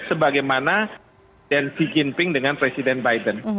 sebagaimana dan xi jinping dengan presiden biden